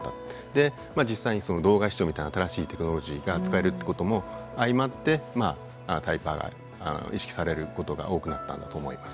で実際にその動画視聴みたいな新しいテクノロジーが使えるってことも相まってタイパが意識されることが多くなったんだと思います。